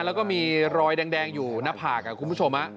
แล้วก็มีรอยแดงอยู่หน้าผากคุณผู้ชม